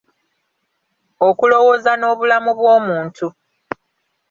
Okulowooza n'obulamu bw'omuntu